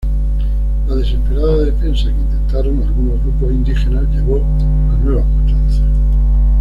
La desesperada defensa que intentaron algunos grupos indígenas llevó a nuevas matanzas.